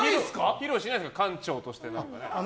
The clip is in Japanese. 披露しないんですか館長として。